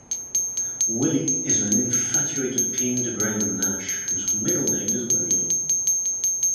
"Willy" is an infatuated paean to Graham Nash, whose middle name is William.